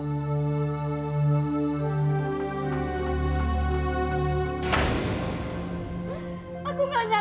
aku gak nyangka kamu seger ini mas